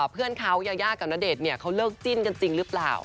เพื่อนเขายายากับณเดชน์เขาเลิกจิ้นกันจริงหรือเปล่า